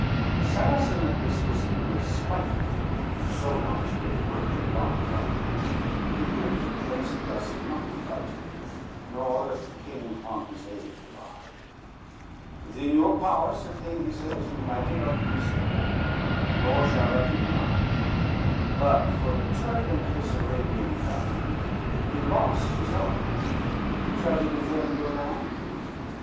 XII The Saracen at this was inly spited, Who Soliman's great worth had long envied, To hear him praised thus he naught delighted, Nor that the king upon his aid relied: "Within your power, sir king," he says, "united Are peace and war, nor shall that be denied; But for the Turk and his Arabian band, He lost his own, shall he defend your land?